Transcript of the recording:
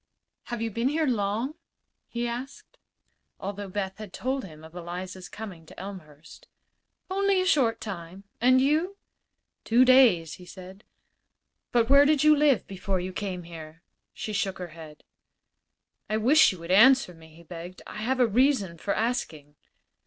"Have you been here long?" he asked, although Beth had told him of Eliza's coming to Elmhurst. "Only a short time. And you?" "Two days," said he. "But where did you live before you came here?" She shook her head. "I wish you would answer me," he begged. "I have a reason for asking."